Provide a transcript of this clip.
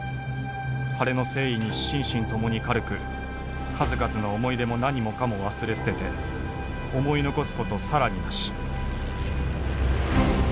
晴れの征衣に心身共に軽く数々の思い出も何もかも忘れ捨てて思い残すこと更になし」。